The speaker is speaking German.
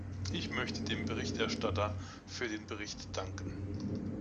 Ich möchte dem Berichterstatter für den Bericht danken.